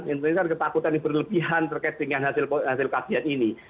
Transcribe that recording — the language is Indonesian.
hentikan ketakutan diperlebihan terkait dengan hasil kasian ini